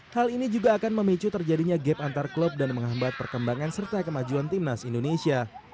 hal ini juga akan memicu terjadinya gap antar klub dan menghambat perkembangan serta kemajuan timnas indonesia